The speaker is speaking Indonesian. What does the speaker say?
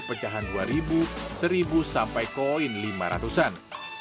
pecahan dua ribu seribu sampai koin lima ratus an